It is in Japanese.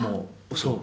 そう。